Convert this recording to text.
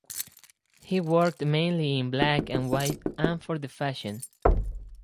He worked mainly in black and white and for the fashion.